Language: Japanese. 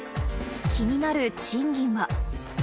気になる賃金は？